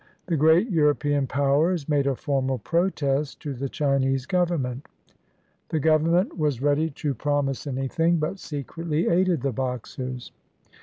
The great European Powers made a formal protest to the Chinese Government. The Government was ready to promise anything, but secretly aided the Boxers.